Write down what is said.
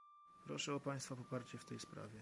Proszę o państwa poparcie w tej sprawie